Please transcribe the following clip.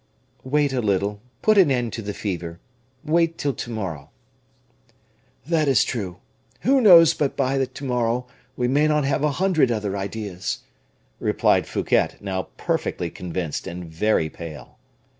"Wait a little, put an end to the fever, wait till to morrow." "That is true. Who knows but that by to morrow we may not have a hundred other ideas?" replied Fouquet, now perfectly convinced and very pale.